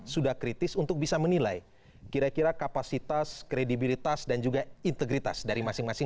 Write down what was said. sudah kritis untuk bisa menilai kira kira kapasitas kredibilitas dan juga integritas dari masing masing